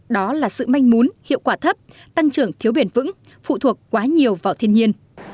đó là sự manh mún hiệu quả thấp tăng trưởng thiếu bền vững phụ thuộc quá nhiều vào thiên nhiên